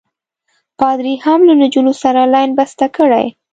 پادري هم له نجونو سره لین بسته کړی.